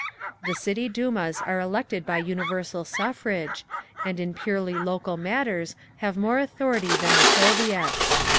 The City Dumas are elected by universal suffrage, and in purely local matters have more authority than the Soviets.